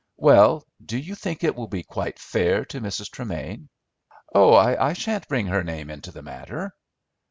"Well, do you think it will be quite fair to Mrs. Tremain?" "Oh, I shan't bring her name into the matter."